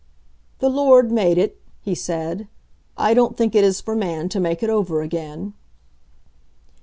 "The Lord made it," he said. "I don't think it is for man to make it over again."